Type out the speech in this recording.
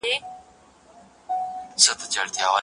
دا اصطلاح اوس مهال د ډېرو خلګو ترمنځ پېژندل سوې ده.